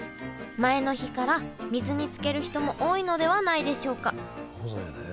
前の日から水につける人も多いのではないでしょうか。